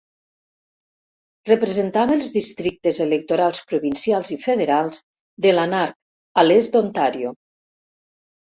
Representava els districtes electorals provincials i federals de Lanark a l'est d'Ontario.